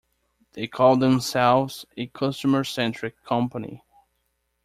They call themselves a customer-centric company.